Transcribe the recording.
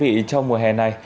cho quý vị trong mùa hè này